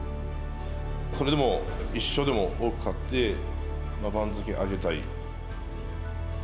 それでも１勝でも多く勝って番付、上げたい。